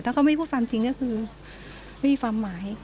ถ้าเขาไม่พูดความจริงก็คือไม่มีความหมาย